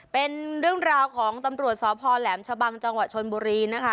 เป็นเรื่องราวของตำรวจสพแหลมชะบังจังหวัดชนบุรีนะคะ